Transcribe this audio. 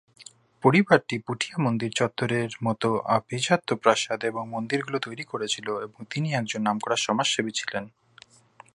পরিবারটি পুঠিয়া মন্দির চত্বরের মতো আভিজাত্য প্রাসাদ এবং মন্দিরগুলো তৈরি করেছিল এবং তিনি একজন নামকরা সমাজসেবী ছিলেন।